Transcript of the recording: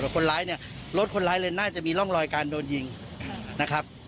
คนร้ายเนี่ยรถคนร้ายเลยน่าจะมีร่องรอยการโดนยิงนะครับ